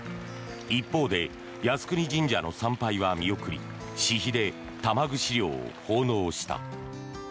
一方で靖国神社の参拝は見送り私費で玉串料を奉納した。